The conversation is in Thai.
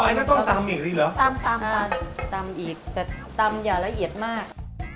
ได้ยังไหมค่ะเอาลงได้ต้องตำอีกหรือตำอย่าระเย็นมาก